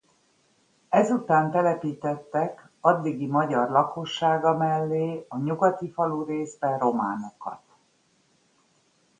Ezután telepítettek addigi magyar lakossága mellé a nyugati falurészbe románokat.